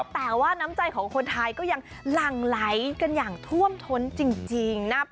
แต่ว่าน้ำใจของคนไทยก็ยังหลั่งไหลกันอย่างท่วมท้นจริงนะครับ